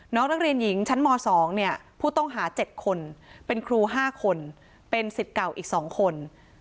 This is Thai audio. นักเรียนหญิงชั้นม๒เนี่ยผู้ต้องหา๗คนเป็นครู๕คนเป็นสิทธิ์เก่าอีก๒คน